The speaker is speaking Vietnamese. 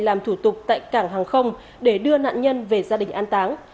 làm thủ tục tại cảng hàng không để đưa nạn nhân về gia đình an táng